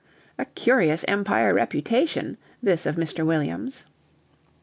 A curious Empire reputation, this of Mr. Williams!